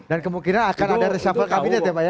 dan kemungkinan akan ada resafah kabinet ya pak ya